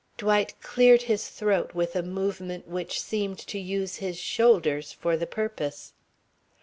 Dwight cleared his throat with a movement which seemed to use his shoulders for the purpose.